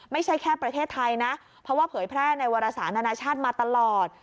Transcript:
ไม่ใช่แค่ประเทศไทยนะเพราะว่าเผยแพร่ในวารสารนานาชาติมาตลอด